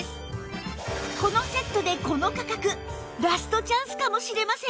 このセットでこの価格ラストチャンスかもしれません